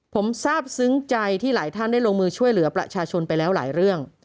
ผมทราบซึ้งใจที่หลายท่านได้ลงมือช่วยเหลือประชาชนไปแล้วหลายเรื่อง